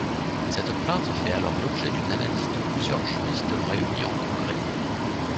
Cette plainte fait alors l'objet d'une analyse de plusieurs juristes réunis en congrès.